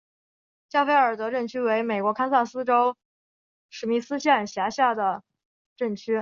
加菲尔德镇区为美国堪萨斯州史密斯县辖下的镇区。